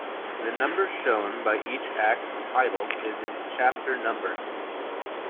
The number shown by each Act's title is its chapter number.